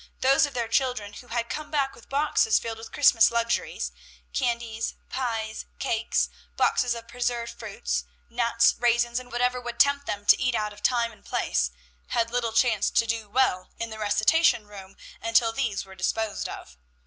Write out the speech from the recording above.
Those of their children who had come back with boxes filled with Christmas luxuries candies, pies, cakes, boxes of preserved fruits, nuts, raisins, and whatever would tempt them to eat out of time and place had little chance to do well in the recitation room until these were disposed of.